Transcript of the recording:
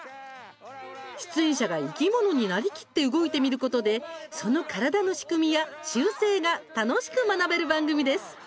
出演者が生き物になりきって動いてみることでその体の仕組みや習性が楽しく学べる番組です。